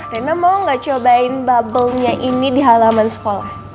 reina mau gak cobain bubblenya ini di halaman sekolah